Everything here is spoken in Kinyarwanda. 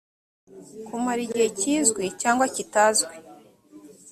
kumara igihe kizwi cyangwa kitazwi